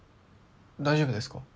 大丈夫ですか？